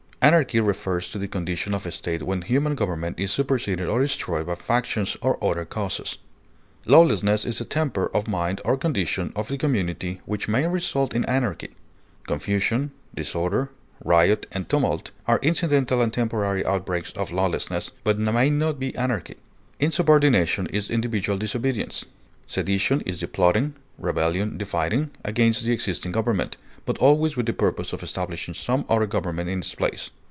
Anarchy refers to the condition of a state when human government is superseded or destroyed by factions or other causes. Lawlessness is a temper of mind or condition of the community which may result in anarchy. Confusion, disorder, riot, and tumult are incidental and temporary outbreaks of lawlessness, but may not be anarchy. Insubordination is individual disobedience. Sedition is the plotting, rebellion the fighting, against the existing government, but always with the purpose of establishing some other government in its place.